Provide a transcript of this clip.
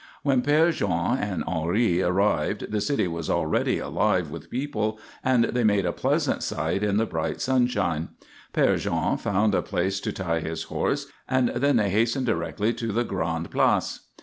When Père Jean and Henri arrived, the city was already alive with people and they made a pleasant sight in the bright sunshine. Père Jean found a place to tie his horse and then they hastened directly to the Grande Place.